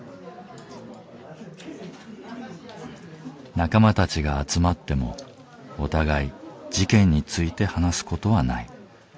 仲間たちが集まってもお互い事件について話す事はない。